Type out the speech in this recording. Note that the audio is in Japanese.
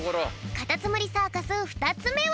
カタツムリサーカスふたつめは！